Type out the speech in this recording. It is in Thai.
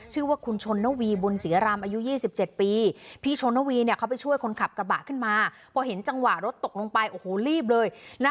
ชื่อว่าคุณชนนวีบุญศรีรำอายุ๒๗ปีพี่ชนนวีเนี่ยเขาไปช่วยคนขับกระบะขึ้นมาพอเห็นจังหวะรถตกลงไปโอ้โหรีบเลยนะ